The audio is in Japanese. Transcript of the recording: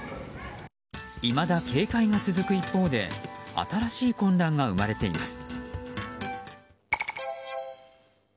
いまだ警戒が続く一方で新しい混乱が生まれています。